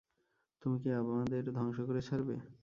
তুমি কি আমাদের ধংস করে ছাড়বে?